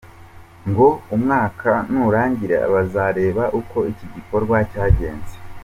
Ngo umwaka nurangira bazareba uko iki gikorwa cyagenze.